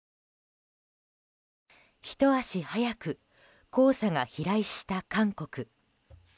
ひと足早く黄砂が飛来した韓国。